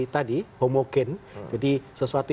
tadi homogen jadi sesuatu